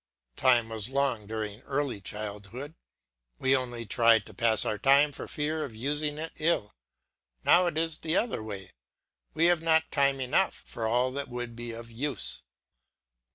Time was long during early childhood; we only tried to pass our time for fear of using it ill; now it is the other way; we have not time enough for all that would be of use.